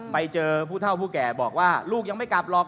ไปเจอผู้เท่าผู้แก่บอกว่าลูกยังไม่กลับหรอก